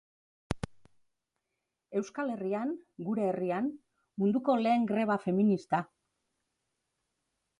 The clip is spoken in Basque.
Euskal herrian, gure herrian, munduko lehen greba feminista!